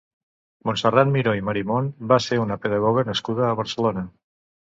Montserrat Miró i Marimon va ser una pedagoga nascuda a Barcelona.